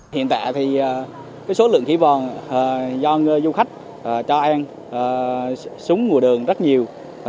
hiện tại thì số lượng khỉ vòn do du khách cho ăn xuống ngùa đường rất nhiều